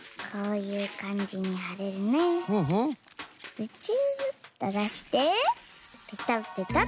ブチュっとだしてペタッペタッ。